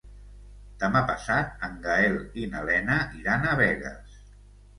Demà passat en Gaël i na Lena iran a Begues.